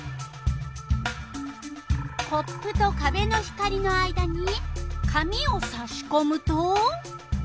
コップとかべの光の間に紙をさしこむと？